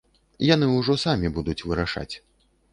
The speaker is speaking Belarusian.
Яны ўжо самі будуць вырашаць.